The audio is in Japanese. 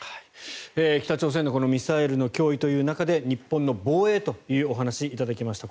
北朝鮮のミサイルの脅威という中で日本の防衛というお話をいただきました。